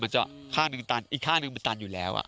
จะข้างหนึ่งตันอีกข้างหนึ่งมันตันอยู่แล้ว